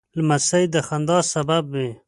لمسی د خندا سبب وي.